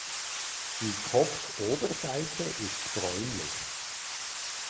Die Kopfoberseite ist bräunlich.